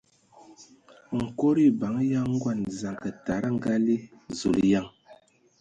Nkod eban ya Ngondzanga tada a ngalig Zulǝyan!